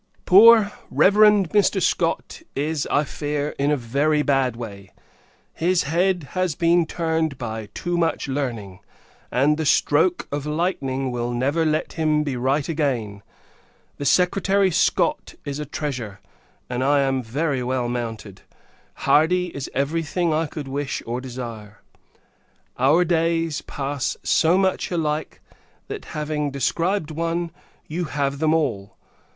Poor Reverend Mr. Scott is, I fear, in a very bad way. His head has been turned by too much learning, and the stroke of lightning will never let him be right again. The Secretary Scott is a treasure; and I am very well mounted: Hardy is every thing I could wish or desire. Our days pass so much alike that, having described one, you have them all.